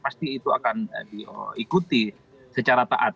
pasti itu akan diikuti secara taat